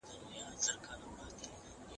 موږ بايد په خوني کي له شخړو ځان وساتو.